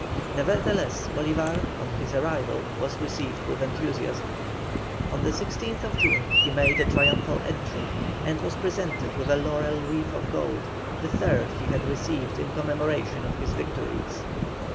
Nevertheless, Bolívar on his arrival was received with enthusiasm. On the 16th June he made a triumphal entry, and was presented with a laurel wreath of gold, the third he had received in commemoration of his victories.